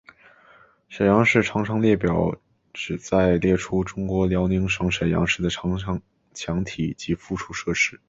沈阳市长城列表旨在列出中国辽宁省沈阳市的长城墙体及附属设施。